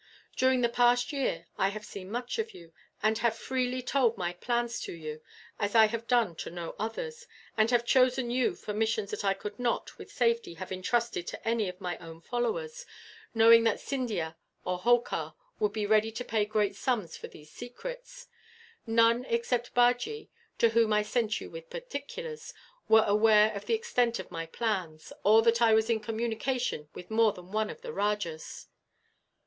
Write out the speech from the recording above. During the past year I have seen much of you, and have freely told my plans to you, as I have done to no others; and have chosen you for missions that I could not, with safety, have entrusted to any of my own followers, knowing that Scindia or Holkar would be ready to pay great sums for these secrets. None except Bajee, to whom I sent you with particulars, were aware of the extent of my plans, or that I was in communication with more than one of the rajahs.